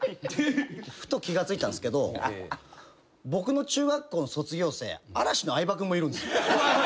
ふと気が付いたんすけど僕の中学校の卒業生嵐の相葉君もいるんですよ。